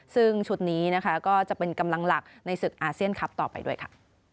ซึ่งชุดนี้นะคะก็จะเป็นกำลังหลักในศึกอาเซียนคลับต่อไปด้วยค่ะ